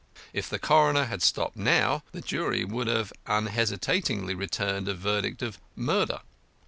If the coroner had stopped now, the jury would have unhesitatingly returned a verdict of "murder."